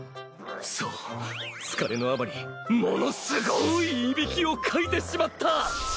そう疲れのあまりものすごいいびきをかいてしまった！